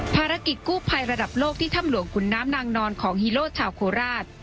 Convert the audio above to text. ภารกิจกู้ภัยระดับโลกที่ถ้ำหลวงขุนน้ำนางนอนของฮีโร่ชาวโคราช